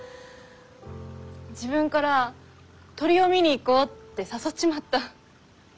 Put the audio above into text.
自分から「鳥を見に行こう」って誘っちまった。